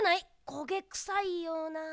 こげくさいような。